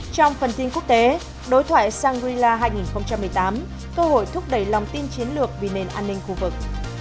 trong phần tin quốc tế đối thoại shangri la hai nghìn một mươi tám cơ hội thúc đẩy lòng tin chiến lược vì nền an ninh khu vực